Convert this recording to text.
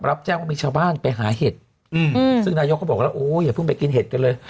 รับแจ้งว่ามีชาวบ้านไปหาเห็ดอืมซึ่งนายกก็บอกแล้วโอ้อย่าเพิ่งไปกินเห็ดกันเลย